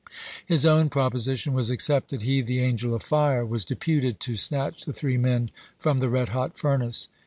His own proposition was accepted. He, the angel of fire, was deputed to snatch the three men from the red hot furnace.